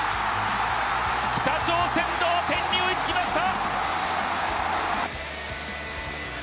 北朝鮮同点に追いつきました！